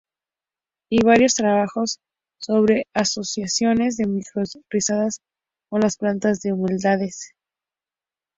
Y varios trabajos sobre asociaciones de micorrizas con las plantas de los humedales.